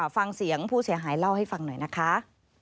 ฟังเสียงผู้เสียหายเล่าให้ฟังหน่อยนะคะ